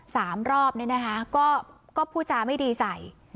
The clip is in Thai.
สามรอบนี่นะคะก็พูดจาไม่ดีใส่